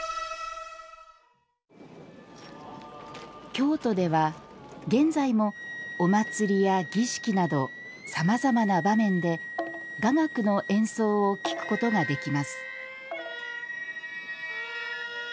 京都では現在もお祭りや儀式などさまざまな場面で雅楽の演奏を聴くことができます